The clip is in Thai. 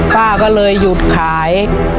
ป้าก็เลยหยุดขาย